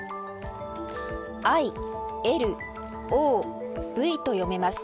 ＩＬＯＶと読めます。